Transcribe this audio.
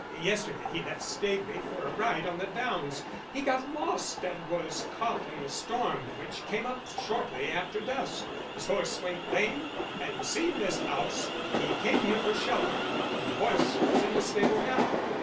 Yesterday he left Staveley for a ride on the downs. He got lost and was caught in the storm which came up shortly after dusk. His horse went lame, and seeing this house he came here for shelter. The horse is in the stable now.